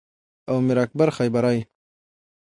او میر اکبر خیبری